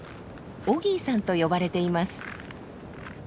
オギーさんと呼ばれています。